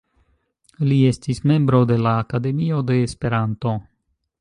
Li estis membro de la Akademio de Esperanto.